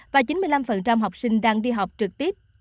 và chín mươi năm học sinh đang đi học trực tiếp